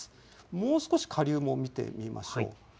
もう少し下流も見てみましょう。